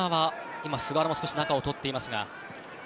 今、菅原も少し中にポジションを取っていますが。